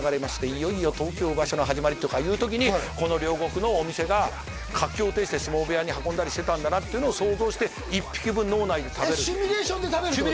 「いよいよ東京場所の始まり」とか言う時にこの両國のお店が活況を呈して相撲部屋に運んだりしてたんだなっていうのを想像して１匹分脳内で食べるシミュレーションで食べるってこと？